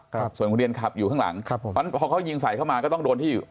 ครับส่วนคุณเรียนขับอยู่ข้างหลังครับผมพอเขายิงใส่เข้ามาก็ต้องโดนที่อยู่